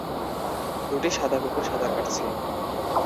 দুটি সাদা কুকুর সাঁতার কাটছে।